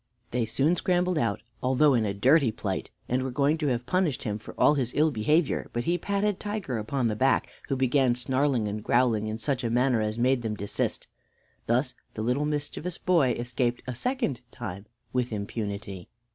They soon scrambled out, although in a dirty plight, and were going to have punished him for all his ill behavior; but he patted Tiger upon the back, who began snarling and growling in such a manner as made them desist. Thus this little mischievous boy escaped a second time with impunity.